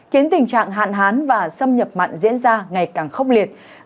khiến tình trạng hạn hán và xâm nhập mặn diễn ra ngày càng khốc liệt